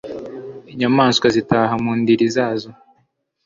inyamaswa zitaha mu ndiri zazo